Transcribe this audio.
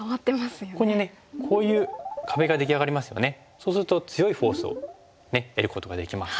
そうすると強いフォースを得ることができます。